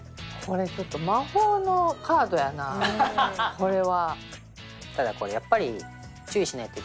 これは。